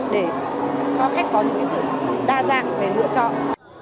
để cho khách có những sự đa dạng về lựa chọn